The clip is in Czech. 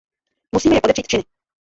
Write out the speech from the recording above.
Musíme je podepřít činy.